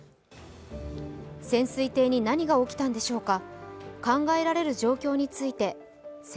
潜水艇に何が起きたのでしょうか。